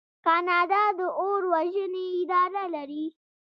کاناډا د اور وژنې اداره لري.